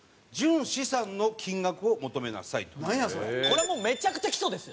これはもうめちゃくちゃ基礎ですよ。